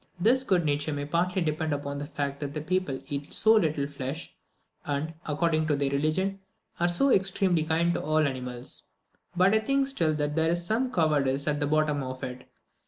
This good nature may partly depend upon the fact that the people eat so little flesh, and, according to their religion, are so extremely kind to all animals; but I think still that there is some cowardice at the bottom of it.